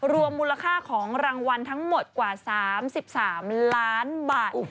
รวมมูลค่าของรางวัลทั้งหมดกว่า๓๓ล้านบาท